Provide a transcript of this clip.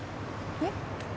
えっ？